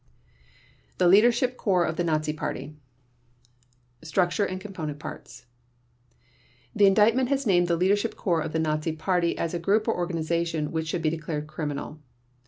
THE LEADERSHIP CORPS OF THE NAZI PARTY Structure and Component Parts: The Indictment has named the Leadership Corps of the Nazi Party as a group or organization which should be declared criminal.